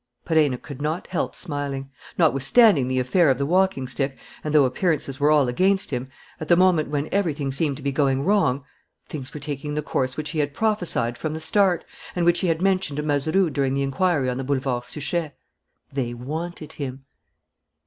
Perenna could not help smiling. Notwithstanding the affair of the walking stick and though appearances were all against him, at the moment when everything seemed to be going wrong, things were taking the course which he had prophesied from the start, and which he had mentioned to Mazeroux during the inquiry on the Boulevard Suchet. They wanted him.